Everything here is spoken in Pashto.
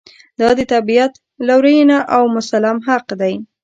دا د طبعیت لورېینه او مسلم حق دی.